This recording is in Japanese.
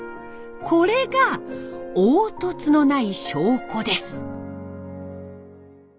これが凹凸のない証拠です。